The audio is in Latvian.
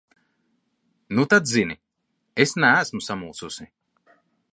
Nu tad zini: es neesmu samulsusi.